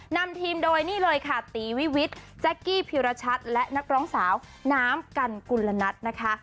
นำทีมโดยนี่เลยค่ะตีวิวิทย์แจ๊กกี้พิรชัดและนักร้องสาวน้ำกันกุลนัทนะคะ